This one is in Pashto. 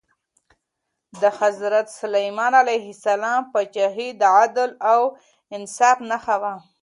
د حضرت سلیمان علیه السلام پاچاهي د عدل او انصاف نښه وه.